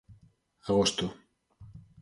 Agosto